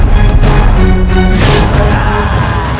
tidak ada kesalahan